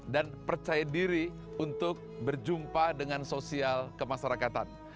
dan percaya diri untuk berjumpa dengan sosial kemasyarakatan